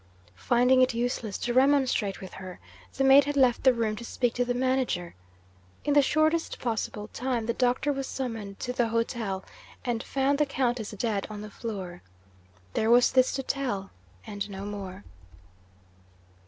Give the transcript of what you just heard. Finding it useless to remonstrate with her, the maid had left the room to speak to the manager. In the shortest possible time, the doctor was summoned to the hotel, and found the Countess dead on the floor. There was this to tell and no more.